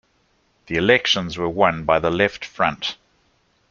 The elections were won by the Left Front.